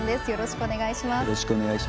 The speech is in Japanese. よろしくお願いします。